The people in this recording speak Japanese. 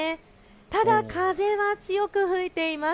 ただ、風は強く吹いています。